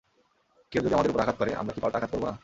কেউ যদি আমাদের উপর আঘাত করে, আমরা কি পাল্টা আঘাত করব না?